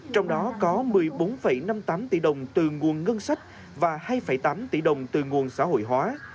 trong đó có một mươi bốn năm mươi tám tỷ đồng từ nguồn ngân sách và hai tám tỷ đồng từ nguồn xã hội hóa